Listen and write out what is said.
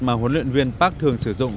mà huấn luyện viên park thường sử dụng